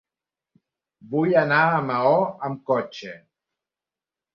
Vull anar a Maó amb cotxe.